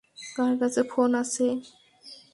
কার কাছে ফোন আছে।